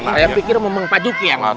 kayaknya pikir ngomong pak juki yang biayain